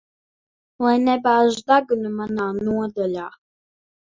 Lai nebāž degunu manā nodaļā.